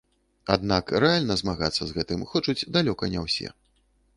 Аднак рэальна змагацца з гэтым хочуць далёка не ўсе.